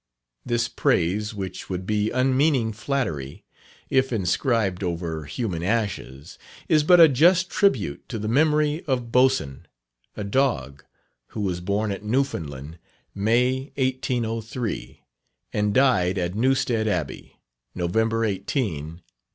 This praise, which would be unmeaning flattery, if inscribed over human ashes, is but a just tribute to the memory of BOATSWAIN, a dog, Who was born at Newfoundland, May, 1803, and died at Newstead Abbey, November 18, 1808."